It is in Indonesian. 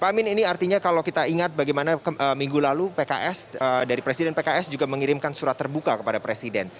pak amin ini artinya kalau kita ingat bagaimana minggu lalu pks dari presiden pks juga mengirimkan surat terbuka kepada presiden